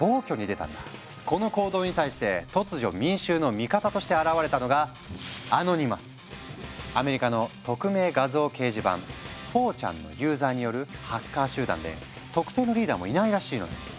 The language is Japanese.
この行動に対して突如民衆の味方として現れたのがアメリカの匿名画像掲示板「４ｃｈａｎ」のユーザーによるハッカー集団で特定のリーダーもいないらしいのよ。